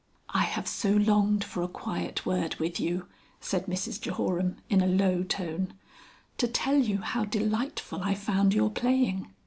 "I have so longed for a quiet word with you," said Mrs Jehoram in a low tone. "To tell you how delightful I found your playing."